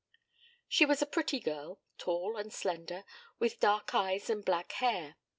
She was a pretty girl, tall and slender, with dark eyes and black hair.